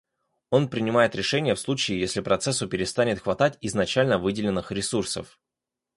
Он принимает решение в случае если процессу перестанет хватать изначально выделенных ресурсов